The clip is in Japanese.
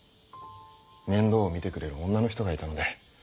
面倒を見てくれる女の人がいたので。